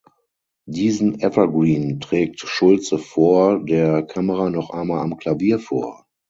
Diesen Evergreen trägt Schultze vor der Kamera noch einmal am Klavier vor.